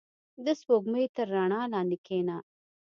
• د سپوږمۍ تر رڼا لاندې کښېنه.